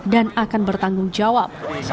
dan akan bertanggung jawab